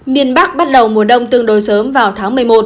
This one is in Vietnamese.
miền bắc bắt đầu mùa đông tương đối sớm vào tháng một mươi một